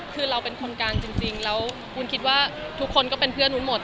คือเราเป็นคนกลางจริงแล้ววุ้นคิดว่าทุกคนก็เป็นเพื่อนวุ้นหมด